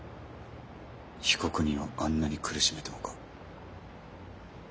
被告人をあんなに苦しめてもか？